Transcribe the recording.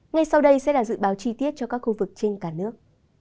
ngay sau đây sẽ là dự báo chi tiết cho các khu vực trên cả nước